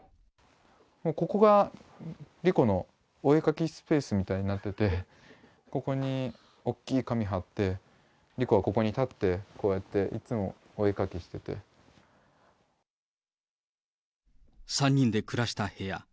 ここが莉子のお絵描きスペースみたいになってて、ここに大きい紙貼って、莉子がここに立って、こうやって、いつも３人で暮らした部屋。